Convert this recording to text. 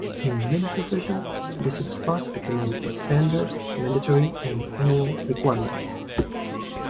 In many professions this is fast becoming a standard, mandatory and annual requirement.